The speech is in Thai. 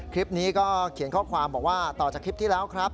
คลิปนี้ก็เขียนข้อความบอกว่าต่อจากคลิปที่แล้วครับ